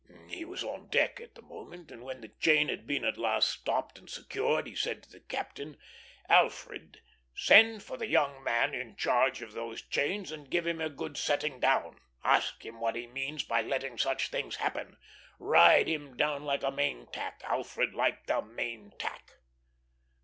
He was on deck at the moment, and when the chain had been at last stopped and secured, he said to the captain, "Alfred, send for the young man in charge of those chains, and give him a good setting down. Ask him what he means by letting such things happen. Ride him down like a main tack, Alfred like the main tack!"